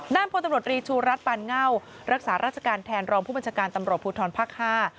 พลตำรวจรีชูรัฐปานเง่ารักษาราชการแทนรองผู้บัญชาการตำรวจภูทรภาคห้า